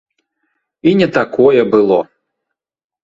І не такое было!